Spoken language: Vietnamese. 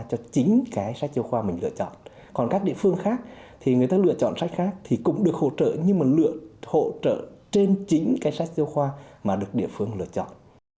còn các địa phương khác thì người ta lựa chọn sách khác thì cũng được hỗ trợ nhưng mà lựa hỗ trợ trên chính cái sách giáo khoa mà được địa phương lựa chọn